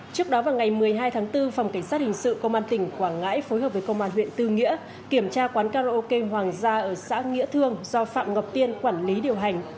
trước đó vào ngày một mươi hai tháng bốn phòng cảnh sát hình sự công an tỉnh quảng ngãi phối hợp với công an huyện tư nghĩa kiểm tra quán karaoke hoàng gia ở xã nghĩa thương do phạm ngọc tiên quản lý điều hành